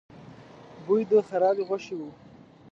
بوی د خرابې غوښې و.